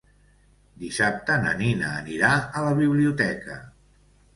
Dissabte na Nina anirà a la biblioteca.